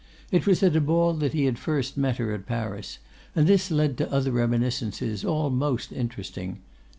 It was at a ball that he had first met her at Paris, and this led to other reminiscences; all most interesting.